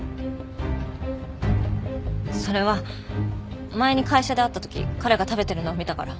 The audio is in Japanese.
それは前に会社で会った時彼が食べてるのを見たから。